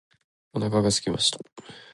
お腹がすきました